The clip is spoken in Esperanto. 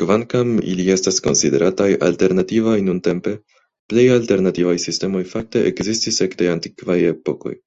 Kvankam ili estas konsiderataj "alternativaj" nuntempe, plej alternativaj sistemoj fakte ekzistis ekde antikvaj epokoj.